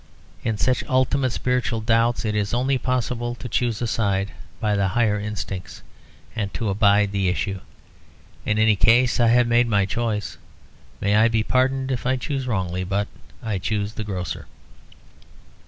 In such ultimate spiritual doubts it is only possible to choose a side by the higher instincts, and to abide the issue. In any case, I have made my choice. May I be pardoned if I choose wrongly, but I choose the grocer."